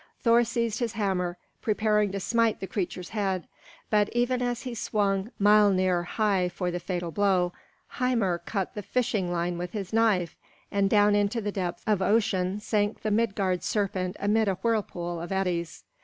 Thor seized his hammer, preparing to smite the creature's head; but even as he swung Miölnir high for the fatal blow, Hymir cut the fish line with his knife, and down into the depths of ocean sank the Midgard serpent amid a whirlpool of eddies.